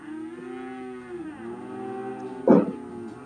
Namna ya kukabiliana na ugonjwa wa homa ya bonde la ufa ni chanjo